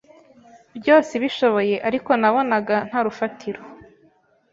byose ibishoboye ariko nabonaga ntarufatiro.